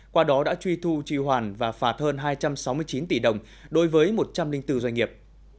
qua đó đã truy thu tri hoàn và phạt hơn hai trăm sáu mươi chín tỷ đồng đối với một trăm linh bốn doanh nghiệp